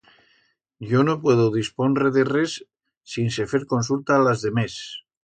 Yo no puedo disponre de res sinse fer consulta a las demés.